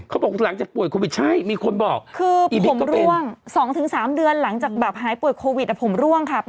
เขาบอกนี่หลังจากปรับไวร์โควิดครับ